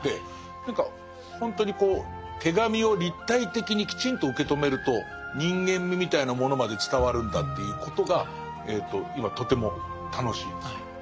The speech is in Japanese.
何かほんとにこう手紙を立体的にきちんと受け止めると人間味みたいなものまで伝わるんだということが今とても楽しいです。